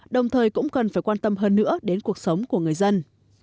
đồng thời cũng cần phải quan tâm hơn nữa đến cuộc sống của người dân